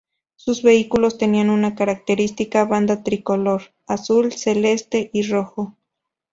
Sus vehículos tenían una característica banda tricolor: azul, celeste y rojo.